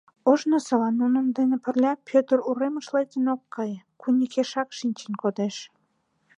Ожнысыла нунын дене пырля Пӧтыр уремыш лектын ок кае, куникешак шинчен кодеш.